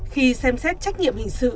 khi xem xét trách nhiệm hình sự